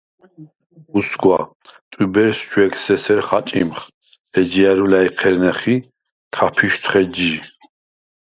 უსგვა, ტვიბერს ჯვეგს ესერ ხაჭიმხ, ეჯჲა̈რუ ლა̈ჲჴერნეხ ი ქაფიშთვხ ეჯჟი.